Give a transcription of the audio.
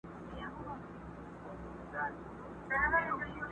ښکارېدی چي له وطنه لیري تللی،